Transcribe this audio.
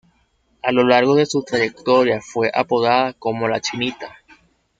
A lo largo de su trayectoria fue apodada como "La Chinita".